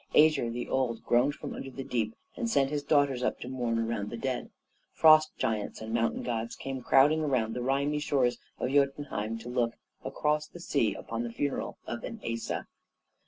Ægir the Old groaned from under the deep, and sent his daughters up to mourn around the dead. Frost giants and mountain giants came crowding round the rimy shores of Jötunheim to look across the sea upon the funeral of an Asa.